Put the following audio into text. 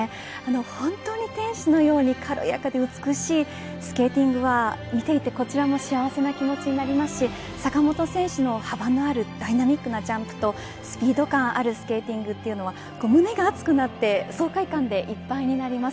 本当に天使のように軽やかで美しいスケーティングは見ていてこちらも幸せな気持ちになりますし坂本選手の幅のあるダイナミックなジャンプとスピード感あるスケーティングは胸が熱くなって爽快感でいっぱいになります。